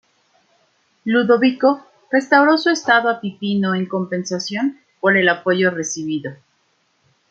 Ludovico restauró su estado a Pipino en compensación por el apoyo recibido.